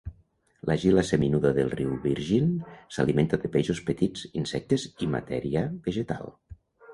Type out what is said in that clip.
La gila seminuda del riu Virgin s'alimenta de peixos petits, insectes i matèria vegetal.